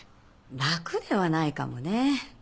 楽ではないかもね。